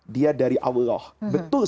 dia dari allah betul